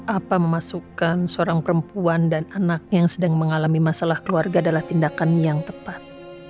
apa memasukkan seorang perempuan dan anak yang sedang mengalami masalah keluarga adalah tindakan yang tepat